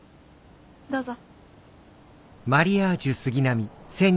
どうぞ。